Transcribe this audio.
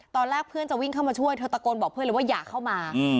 ตอนแรกเพื่อนจะวิ่งเข้ามาช่วยเธอตะโกนบอกเพื่อนเลยว่าอย่าเข้ามา